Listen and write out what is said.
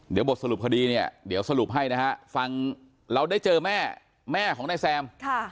เดี๋ยวบทสรุปคดีแน่ฟังเราได้เจอแม่ของแน่แซม